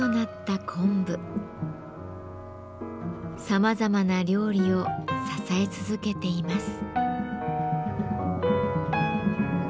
さまざまな料理を支え続けています。